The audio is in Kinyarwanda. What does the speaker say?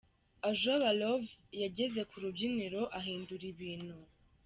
Ajoba Love yageze ku rubyiniro ahindura ibintu.